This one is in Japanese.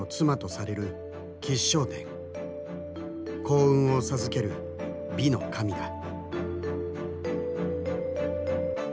幸運を授ける美の神だ。